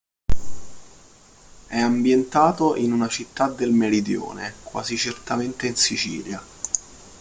È ambientato in una città del meridione, quasi certamente in Sicilia.